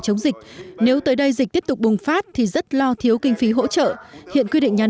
chống dịch nếu tới đây dịch tiếp tục bùng phát thì rất lo thiếu kinh phí hỗ trợ hiện quy định nhà